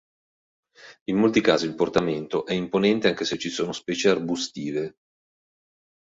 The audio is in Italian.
In molti casi il portamento è imponente anche se ci sono specie arbustive.